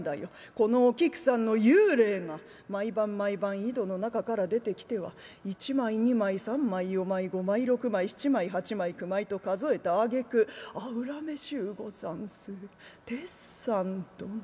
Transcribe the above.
このお菊さんの幽霊が毎晩毎晩井戸の中から出てきては１枚２枚３枚４枚５枚６枚７枚８枚９枚と数えたあげく『ああ恨めしゅうござんす鉄山殿』。